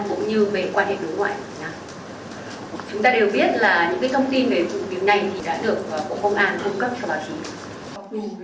cũng như về quan hệ đối ngoại chúng ta đều biết là những thông tin về vụ điều này đã được bộ công an cung cấp cho bà thị